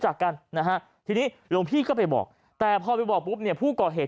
จากกันนะฮะทีนี้หลวงพี่ก็ไปบอกแต่พอไปบอกปุ๊บเนี่ยผู้ก่อเหตุ